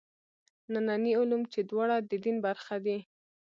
ننني علوم چې دواړه د دین برخه دي.